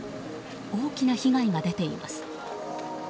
大きな被害が出ています。